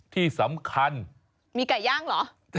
ที่สำคัญมีไก่ย่างเหรอ